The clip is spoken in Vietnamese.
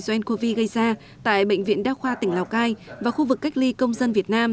do ncov gây ra tại bệnh viện đa khoa tỉnh lào cai và khu vực cách ly công dân việt nam